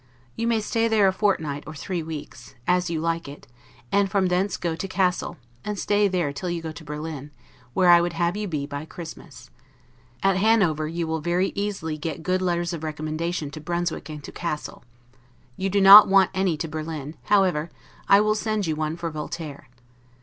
You may stay there a fortnight or three weeks, as you like it; and from thence go to Cassel, and stay there till you go to Berlin; where I would have you be by Christmas. At Hanover you will very easily get good letters of recommendation to Brunswick and to Cassel. You do not want any to Berlin; however, I will send you one for Voltaire.